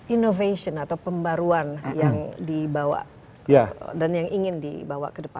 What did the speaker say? innovation atau pembaruan yang dibawa dan yang ingin dibawa ke depan